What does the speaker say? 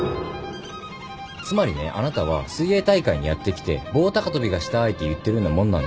つまりねあなたは水泳大会にやって来て棒高跳びがしたいと言ってるようなもんなんです。